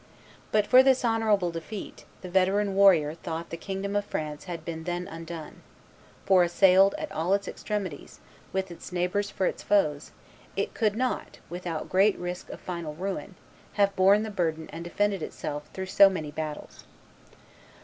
But for this honorable defeat, the veteran warrior thought the kingdom of France had been then undone; for, assailed at all its extremities, with its neighbors for its foes, it could not, without great risk of final ruin, have borne the burden and defended itself through so many battles.